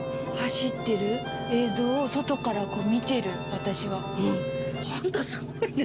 私は。